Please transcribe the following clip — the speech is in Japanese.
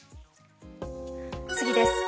次です。